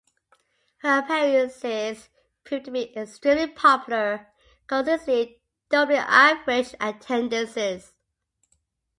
Her appearances proved to be extremely popular, consistently doubling average attendances.